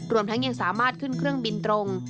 ทั้งยังสามารถขึ้นเครื่องบินตรง